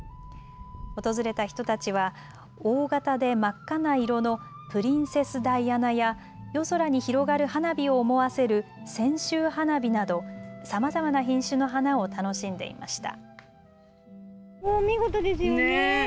訪れた人たちは大型で真っ赤な色のプリンセスダイアナや夜空に広がる花火を思わせる千秋花火などさまざまな品種の花を楽しんでいました。